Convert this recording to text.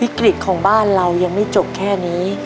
วิกฤตของบ้านเรายังไม่จบแค่นี้